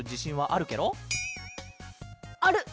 ある！